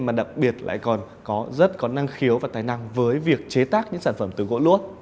mà đặc biệt lại còn có rất có năng khiếu và tài năng với việc chế tác những sản phẩm từ gỗ lũa